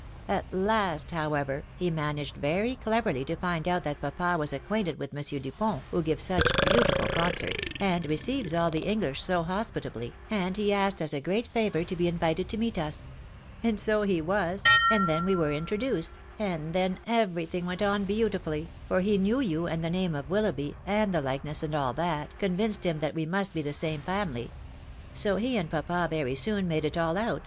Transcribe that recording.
At last, however, he managed very cle verly to find out that papa was acquainted with M. Dupont, who gives such'jbeautiful concerts, and receives all the English so hospitably, and he asked as a grc& fotcrax to be invited to meet us ; and so he was ; and \hfe\v w^ Tiera \xv\xtsfc»KR^ w& then every thing went on beauttfuSfcj , te \» Wjj itf^«* the name of Willoughby, and ft* Yawm*, 1 479 vmced him that we must be the same family; so he and papa very soon made it all out.